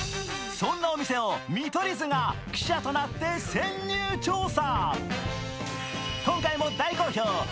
そんなお店を見取り図が記者となって潜入調査。